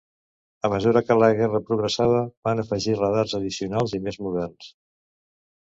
A mesura que la guerra progressava van afegir radars addicional i més moderns.